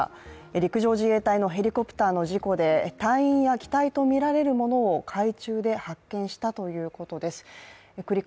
陸上自衛隊のヘリコプターの事故で隊員や機体とみられるものを海中で発見したということです。